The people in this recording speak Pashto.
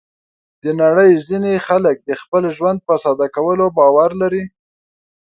د نړۍ ځینې خلک د خپل ژوند په ساده کولو باور لري.